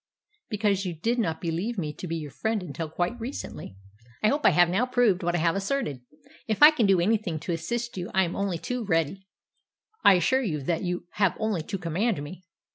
"Because you did not believe me to be your friend until quite recently. I hope I have now proved what I have asserted. If I can do anything to assist you I am only too ready. I assure you that you have only to command me."